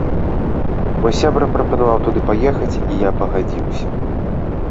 Мой сябра прапанаваў туды паехаць і я пагадзіўся.